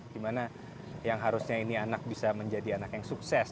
dimana yang harusnya ini anak bisa menjadi anak yang sukses